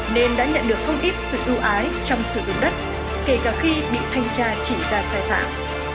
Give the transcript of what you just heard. nên đã nhận được không ít sự ưu ái trong sử dụng đất kể cả khi bị thanh tra chỉ ra sai phạm